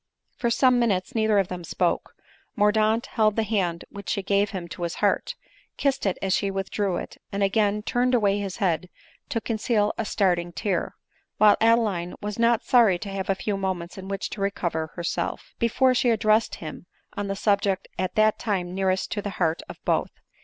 For some minutes neither of them spoke ; Mordaunt held the hand which she gave him to his heart, kissed it as she withdrew it, and again turned away his head to conceal a starting tear ; while Adeline was not sorry to have a few moments in which to recover herself, before she addrsessed him on the subject at that time nearest to the heart of both.